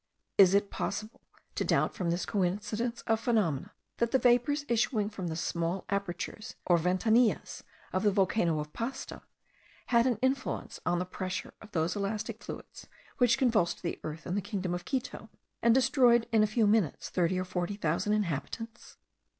Is it possible to doubt, from this coincidence of phenomena, that the vapours issuing from the small apertures or ventanillas of the volcano of Pasto had an influence on the pressure of those elastic fluids which convulsed the earth in the kingdom of Quito, and destroyed in a few minutes thirty or forty thousand inhabitants?